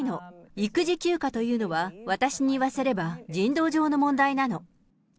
育児休暇というのは、私に言わせれば、人道上の問題なの。